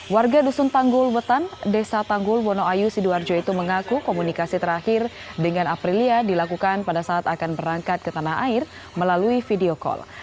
warga dusun tanggul wetan desa tanggul wonoayu sidoarjo itu mengaku komunikasi terakhir dengan aprilia dilakukan pada saat akan berangkat ke tanah air melalui video call